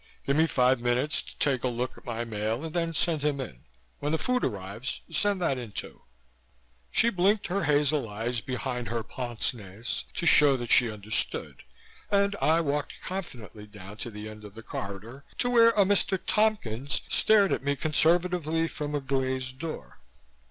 Give me five minutes to take a look at my mail and then send him in. When the food arrives, send that in, too." She blinked her hazel eyes behind her pince nez to show that she understood, and I walked confidently down to the end of the corridor to where a "Mr. Tompkins" stared at me conservatively from a glazed door.